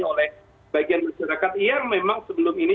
oleh bagian masyarakat yang memang sebelum ini